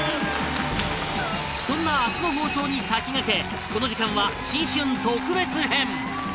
そんな明日の放送に先駆けこの時間は新春特別編